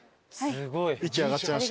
息上がっちゃいました。